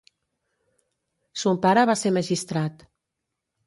Son pare va ser magistrat.